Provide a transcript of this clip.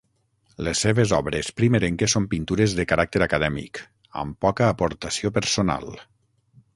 Les seves obres primerenques són pintures de caràcter acadèmic, amb poca aportació personal.